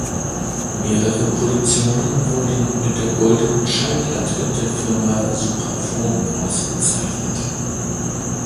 Mehrere Produktionen wurde mit der „Goldenen Schallplatte“ der Firma Supraphon ausgezeichnet.